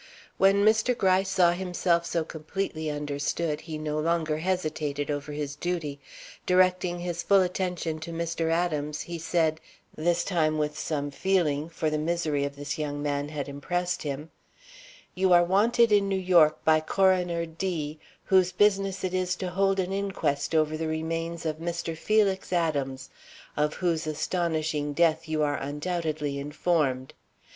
When Mr. Gryce saw himself so completely understood, he no longer hesitated over his duty. Directing his full attention to Mr. Adams, he said, this time with some feeling, for the misery of this young man had impressed him: "You are wanted in New York by Coroner D , whose business it is to hold an inquest over the remains of Mr. Felix Adams, of whose astonishing death you are undoubtedly informed.